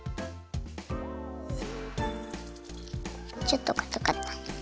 ちょっとかたかった。